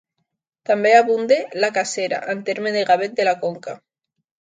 També abunda la cacera, en terme de Gavet de la Conca.